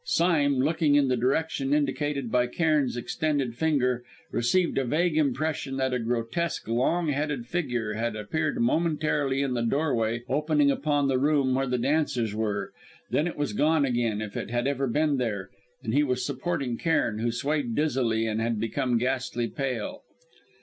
Sime, looking in the direction indicated by Cairn's extended finger, received a vague impression that a grotesque, long headed figure had appeared momentarily in the doorway opening upon the room where the dancers were; then it was gone again, if it had ever been there, and he was supporting Cairn, who swayed dizzily, and had become ghastly pale.